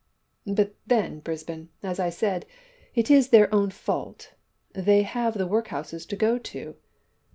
"But, then, Brisbane, as I said, it is their own fault they have the workhouse to go to."